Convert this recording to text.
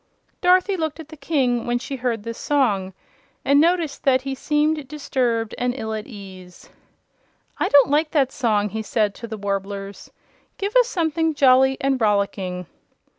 Dorothy looked at the King when she heard this song and noticed that he seemed disturbed and ill at ease. "I don't like that song," he said to the Warblers. "Give us something jolly and rollicking."